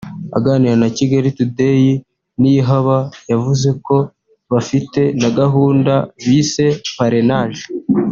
Aganira na Kigali Today Niyihaba yavuze ko bafite na gahunda bise parrainage